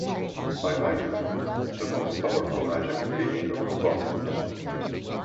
High Magic: The most powerful magic, being of the Cosmos.